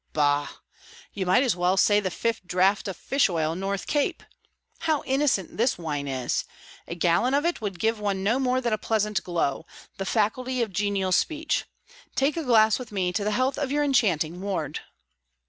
"Bah! you might as well say the fifth draught of fish oil at North Cape. How innocent this wine is! A gallon of it would give one no more than a pleasant glow, the faculty of genial speech. Take a glass with me to the health of your enchanting ward."